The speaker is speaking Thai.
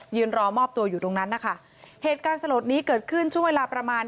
รอมอบตัวอยู่ตรงนั้นนะคะเหตุการณ์สลดนี้เกิดขึ้นช่วงเวลาประมาณ